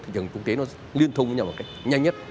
thị trường quốc tế nó liên thông với nhau một cách nhanh nhất